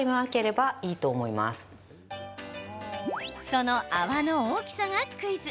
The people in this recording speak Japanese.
その泡の大きさがクイズ。